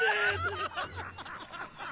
ハハハハ！